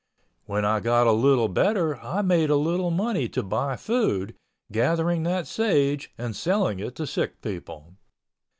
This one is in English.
When I got a little better I made a little money to buy food, gathering that sage and selling it to sick people.